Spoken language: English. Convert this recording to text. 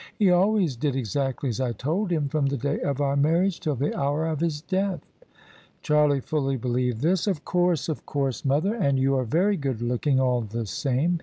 He always did exactly as I told him from the day of our marriage till the hour of his death." Charlie fully believed this. " Of course, of course, mother: and you are very good looking, all the same.